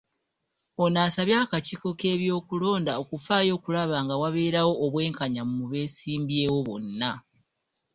Ono asabye akakiiko k'ebyokulonda okufaayo okulaba nga wabeerawo obwenkanya mu beesimbyewo bonna.